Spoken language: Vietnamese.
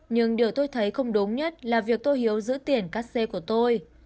nhưng điều tôi thấy không đúng nhất là việc tổ hiếu giữ tiền cắt xe của tôi